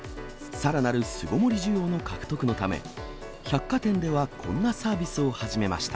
さらなる巣ごもり需要の獲得のため、百貨店ではこんなサービスを始めました。